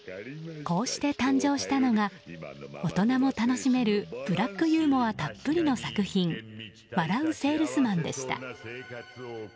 こうして誕生したのが大人も楽しめるブラックユーモアたっぷりの作品「笑ゥせぇるすまん」でした。